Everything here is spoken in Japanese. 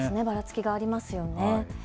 ばらつきがありますよね。